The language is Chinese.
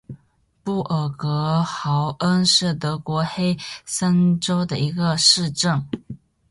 布尔格豪恩是德国黑森州的一个市镇。